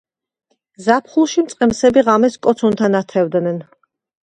ზაფხულში მწყემსები ღამეს კოცონთან ათევდნენ.